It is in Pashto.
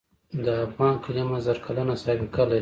د افغان کلمه زر کلنه سابقه لري.